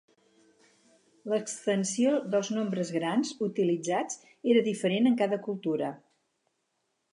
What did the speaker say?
L'extensió dels nombres grans utilitzats era diferent en cada cultura.